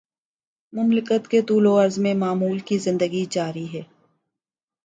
مملکت کے طول وعرض میں معمول کی زندگی جاری ہے۔